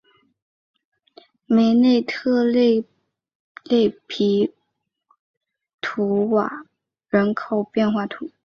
梅内特勒勒皮图瓦人口变化图示